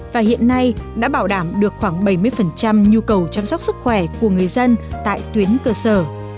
và hiện nay đã bảo đảm được khoảng bảy mươi nhu cầu chăm sóc sức khỏe của người dân tại tuyến cơ sở